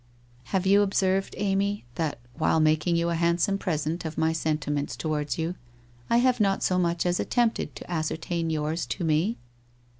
... Have you observed, Amy, that while mak ing you a handsome present of my sentiments towards you, I have not so much as attempted to ascertain yours to me